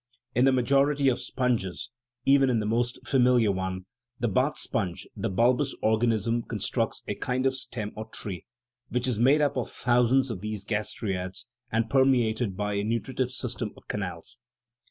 In the majority of sponges even in the most familiar one, the bath sponge the bulbous organism constructs a kind of stem or tree, which is made up of thousands of these gastraeads, and permeated by a nutritive system of canals.